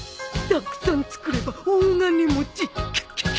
たくさん作れば大金持ちクックック。